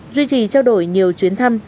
duy trì trao đổi nhiều chuyến thăm